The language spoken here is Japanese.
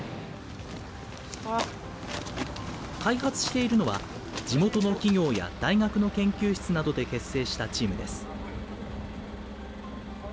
開発しているのは、地元の企業や大学の研究室などで結成したチームです。